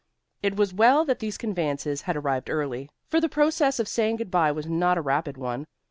It was well that these conveyances had arrived early, for the process of saying good by was not a rapid one.